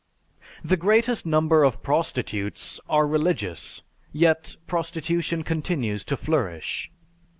The greatest number of prostitutes are religious, yet prostitution continues to flourish.